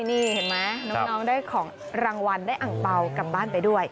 นี่เห็นไหมน้องได้ของรางวัลได้อังเปล่ากลับบ้านไปด้วย